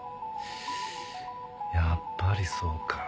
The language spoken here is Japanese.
やっぱりそうか。